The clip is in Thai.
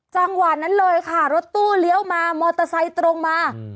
จังหวะนั้นเลยค่ะรถตู้เลี้ยวมามอเตอร์ไซค์ตรงมา